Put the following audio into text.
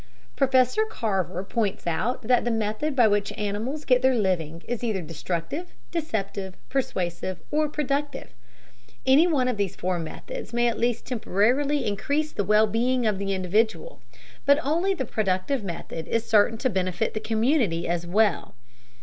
Professor Carver points out that the method by which animals get their living is either destructive, deceptive, persuasive, or productive. Any one of these four methods may at least temporarily increase the well being of the individual, but only the productive method is certain to benefit the community as well.